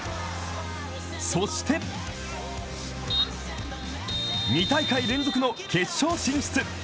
そして２大会連続の決勝進出。